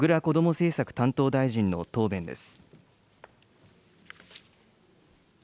政策担当大臣の答弁です。